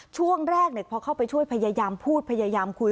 ช่วงแรกพอเข้าไปช่วยพยายามพูดพยายามคุย